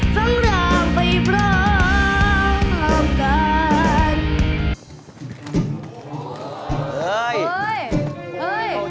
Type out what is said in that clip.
สังหร่างไปบรอบกันสังหร่างไปบรอบกัน